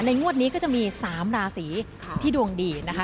งวดนี้ก็จะมี๓ราศีที่ดวงดีนะคะ